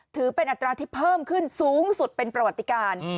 ถือเป็นอัตราที่เพิ่มขึ้นสูงสุดเป็นประวัติการ